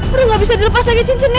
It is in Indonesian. udah gak bisa dilepas lagi cincinnya